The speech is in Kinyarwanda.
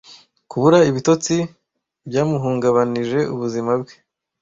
Kubura ibitotsi byamuhungabanije ubuzima bwe.